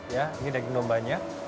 ya ini daging dombanya